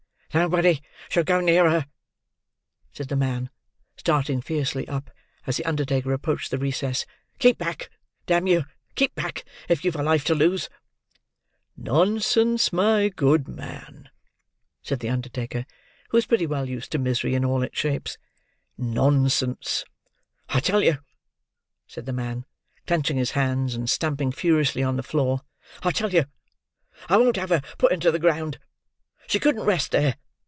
"Nobody shall go near her," said the man, starting fiercely up, as the undertaker approached the recess. "Keep back! Damn you, keep back, if you've a life to lose!" "Nonsense, my good man," said the undertaker, who was pretty well used to misery in all its shapes. "Nonsense!" "I tell you," said the man: clenching his hands, and stamping furiously on the floor,—"I tell you I won't have her put into the ground. She couldn't rest there.